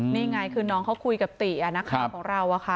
นี่ไงคือน้องเค้าคุยกับตีนี่นะครับวอลเราค่ะ